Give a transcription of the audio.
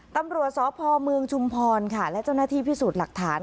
ตำรวจสพเมืองชุมพรค่ะและเจ้าหน้าที่พิสูจน์หลักฐาน